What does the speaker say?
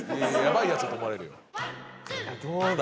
どうだ？